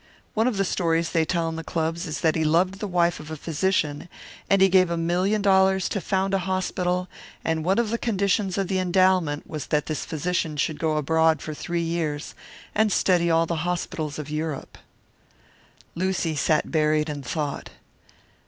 One of the stories they tell in the clubs is that he loved the wife of a physician, and he gave a million dollars to found a hospital, and one of the conditions of the endowment was that this physician should go abroad for three years and study all the hospitals of Europe." Lucy sat buried in thought.